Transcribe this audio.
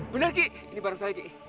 benar ki ini bareng saya ki